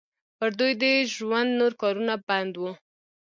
پر دوی د ژوند نور کارونه بند وو.